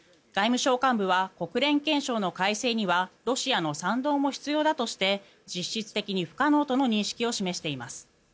外務省幹部は国連憲章の改正にはロシアの賛同も必要だとして実質的に不可能との認識を示しています。